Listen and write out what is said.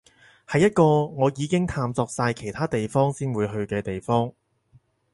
係一個我已經探索晒其他地方先會去嘅地方